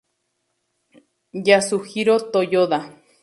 Yasuhiro Toyoda